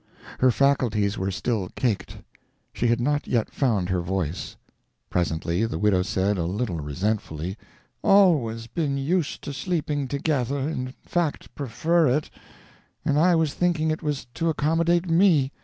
Her faculties were still caked; she had not yet found her voice. Presently the widow said, a little resentfully: "Always been used to sleeping together in fact, prefer it. And I was thinking it was to accommodate me.